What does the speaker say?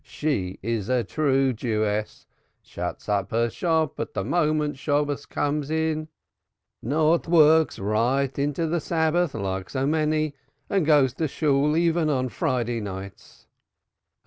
She is a true Jewess, shuts up her shop the moment Shabbos comes in, not works right into the Sabbath like so many, and goes to Shool even on Friday nights.